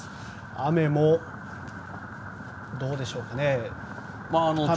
雨もどうでしょうか。